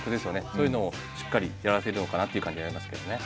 そういうのをしっかりやられてるのかなという感じありますけどね。